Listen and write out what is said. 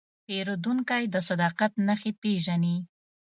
پیرودونکی د صداقت نښې پېژني.